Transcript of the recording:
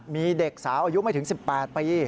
มีเด็กสาวอายุไม่ถึง๑๘ปี